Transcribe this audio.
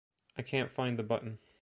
I can't find the button.